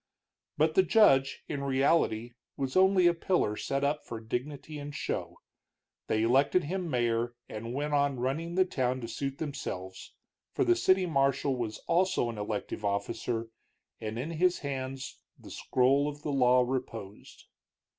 But the judge, in reality, was only a pillar set up for dignity and show. They elected him mayor, and went on running the town to suit themselves, for the city marshal was also an elective officer, and in his hands the scroll of the law reposed.